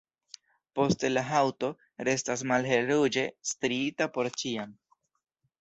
Poste la haŭto restas malhelruĝe striita por ĉiam.